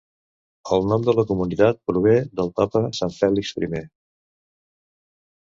El nom de la comunitat prové del Papa Sant Félix I.